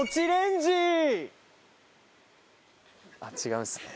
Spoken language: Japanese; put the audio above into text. あっ違うんですね。